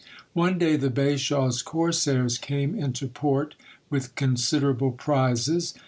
One day the bashaw's corsairs came into port with considerable prizes.